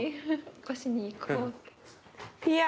起こしに行こう。